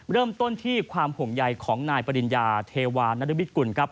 เริ่มต้นที่ความห่วงใยของนายปริญญาเทวานรมิตกุลครับ